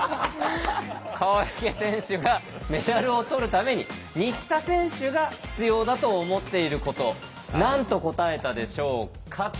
川除選手がメダルを取るために新田選手が必要だと思っていること何と答えたでしょうか？